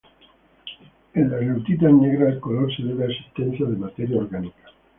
En las lutitas negras el color se debe a existencia de materia orgánica.